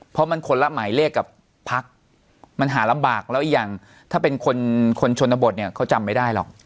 เพราะมันคนละหมายเลขกับพักมันหาลำบากแล้วอีกอย่างถ้าเป็นคนชนบทเนี่ยเขาจำไม่ได้หรอก